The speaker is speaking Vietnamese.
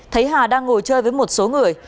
thấy hà đang ngồi chơi với một số người